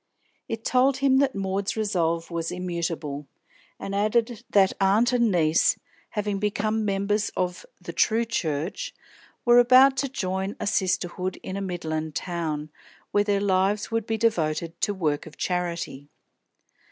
It told him that Maud's resolve was immutable, and added that aunt and niece, having become members of "the true Church," were about to join a sisterhood in a midland town, where their lives would be devoted to work of charity.